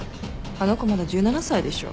あの子まだ１７歳でしょ。